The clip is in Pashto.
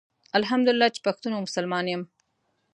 الحمدالله چي پښتون او مسلمان يم